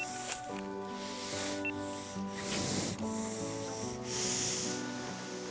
dan sesak nafas